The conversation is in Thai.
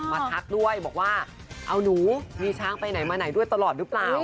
ทักด้วยบอกว่าเอาหนูมีช้างไปไหนมาไหนด้วยตลอดหรือเปล่า